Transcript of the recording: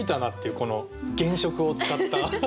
この原色を使った。